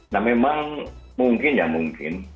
nah memang mungkin ya mungkin